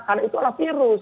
karena itu adalah virus